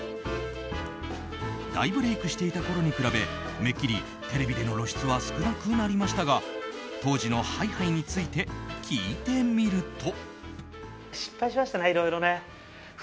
大ブレークしていたころに比べめっきりテレビでの露出は少なくなりましたが当時のＨｉ‐Ｈｉについて聞いてみると。